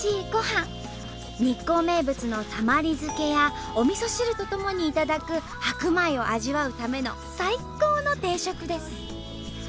日光名物のたまり漬けやお味噌汁とともに頂く白米を味わうための最高の定食です。